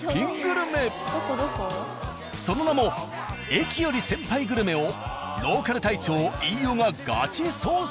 その名も「駅より先輩グルメ」をローカル隊長飯尾がガチ捜索。